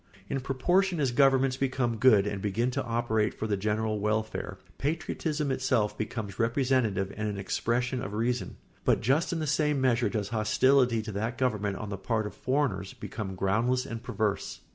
] In proportion as governments become good and begin to operate for the general welfare, patriotism itself becomes representative and an expression of reason; but just in the same measure does hostility to that government on the part of foreigners become groundless and perverse.